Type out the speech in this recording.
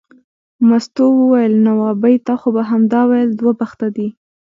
مستو وویل نو ابۍ تا خو به همدا ویل دوه بخته دی.